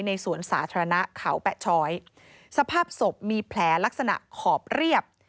สวนสาธารณะเขาแปะช้อยสภาพศพมีแผลลักษณะขอบเรียบ